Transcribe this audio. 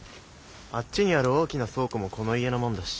あっちにある大きな倉庫もこの家のもんだし。